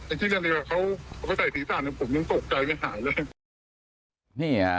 ไอ้ที่เรื่องเรียกว่าเขาเขาไปใส่ศีรษะนึงผมยังตกใจไม่หายเลยเนี่ย